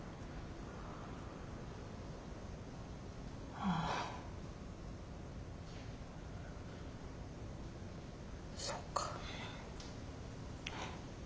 ああそっか。